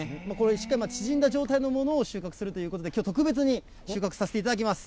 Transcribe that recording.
しっかり縮んだ状態のものを収穫するということで、きょう、特別に収穫させていただきます。